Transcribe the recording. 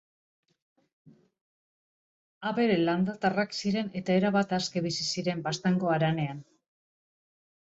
Abere landatarrak ziren eta erabat aske bizi ziren Baztango haranean.